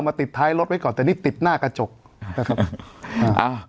ติดท้ายรถไว้ก่อนแต่นี่ติดหน้ากระจกนะครับอ่าอ่า